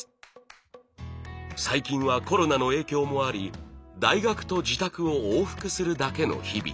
最近はコロナの影響もあり大学と自宅を往復するだけの日々。